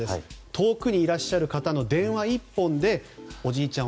遠くにいらっしゃる方の電話一本で、おじいちゃん